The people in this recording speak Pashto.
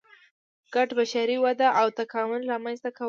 ګډه بشري وده او تکامل رامنځته کول دي.